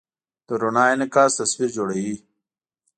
د رڼا انعکاس تصویر جوړوي.